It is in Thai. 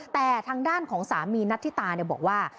แต่ทางด้านของสามีนัทธิตาบอกว่า